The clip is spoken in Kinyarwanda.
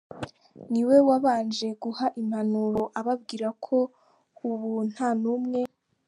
niwe wabanje guha impanuro ababwira ko ubu nta n’umwe